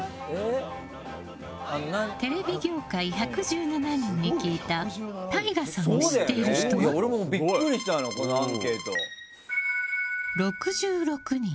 テレビ業界１１７人に聞いたＴＡＩＧＡさんを知っている人は６６人。